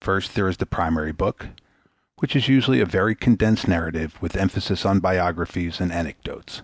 First, there is the primary book, which is usually a very condensed narrative with emphasis on biographies and anecdotes.